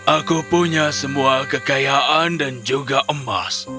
aku punya semua kekayaan dan juga emas